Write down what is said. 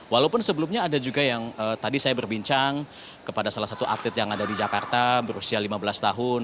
walaupun sebelumnya ada juga yang tadi saya berbincang kepada salah satu atlet yang ada di jakarta berusia lima belas tahun